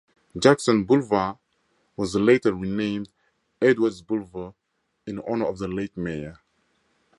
Jackson Boulevard was later renamed Edwards Boulevard in honor of the late mayor.